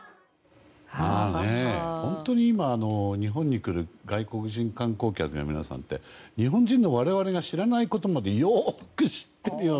本当に今、日本に来る外国人観光客の皆さんって日本人の我々が知らないことまでよく知ってるよね。